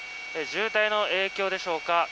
渋滞の影響でしょうか。